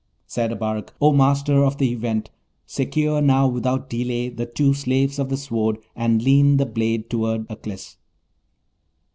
Said Abarak: 'O Master of the Event, secure now without delay the two slaves of the Sword, and lean the blade toward Aklis.'